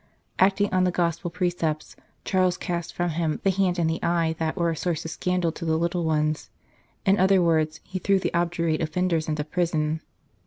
Acting on the Gospel precepts, Charles cast from him the hand and the eye that were a source of scandal to the little ones ; in other words, he threw the obdurate offenders into prison.